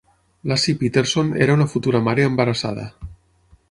Laci Peterson era una futura mare embarassada.